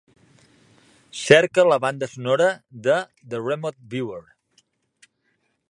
Cerca la banda sonora de "The Remote Viewer".